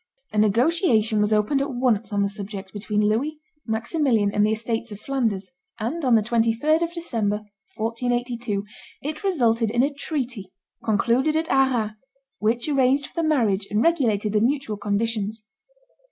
A negotiation was opened at once on the subject between Louis, Maximilian, and the estates of Flanders, and, on the 23d of December, 1482, it resulted in a treaty, concluded at Arras, which arranged for the marriage, and regulated the mutual conditions.